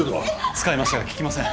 使いましたが効きません